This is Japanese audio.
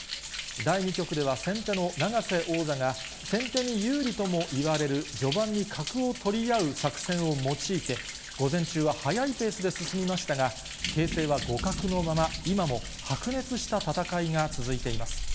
第２局では先手の永瀬王座が先手に有利ともいわれる序盤に角を取り合う作戦を用いて、午前中は早いペースで進みましたが、形勢は互角のまま、今も白熱した戦いが続いています。